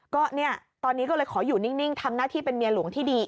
ก็เนี่ยตอนนี้ก็เลยขออยู่นิ่งทำหน้าที่เป็นเมียหลวงที่ดี